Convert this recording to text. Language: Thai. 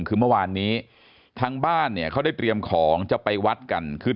คือเมื่อวานนี้ทางบ้านเนี่ยเขาได้เตรียมของจะไปวัดกันคือ